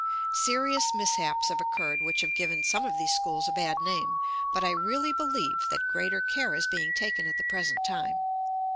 Serious mishaps have occurred which have given some of these schools a bad name; but I really believe that greater care is being taken at the present time.